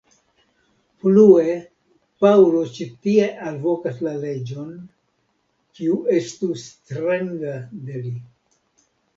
Plue, Paŭlo ĉi tie alvokas la leĝon, kiu estu stranga de li.